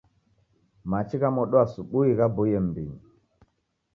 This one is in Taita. Machi gha modo asubui ghaboie mumbinyi